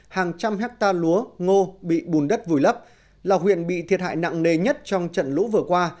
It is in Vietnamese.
hàng trăm hectare lúa ngô bị bùn đất vùi lấp là huyện bị thiệt hại nặng nề nhất trong trận lũ vừa qua